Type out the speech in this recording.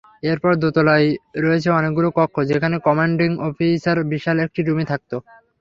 এরপর দোতলায় রয়েছে অনেকগুলো কক্ষ, যেখানে কমান্ডিং অফিসার বিশাল একটি রুমে থাকত।